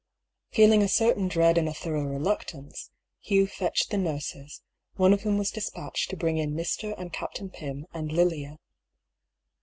Feeling a certain dread and a thorough reluctance, Hugh fetched the nurses, one of whom was despatched to bring in Mr. aAd Captain Pym and Lilia.